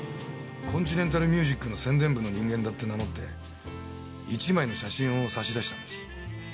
コンチネンタル・ミュージックの宣伝部の人間だって名乗って１枚の写真を差し出したんです。